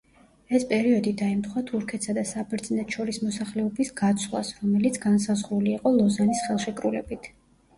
ეს პერიოდი დაემთხვა თურქეთსა და საბერძნეთს შორის მოსახლეობის გაცვლას, რომელიც განსაზღვრული იყო ლოზანის ხელშეკრულებით.